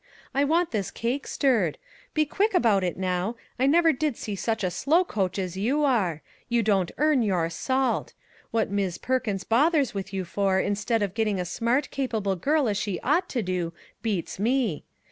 I want this cake stirred. Be quick about it now; I never did see such a slowcoach as you are ! you don't earn your salt. What Mis' Perkins bothers with you for, instead of getting a smart, capable girl as she ought to do, beats me.